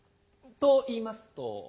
といいますと？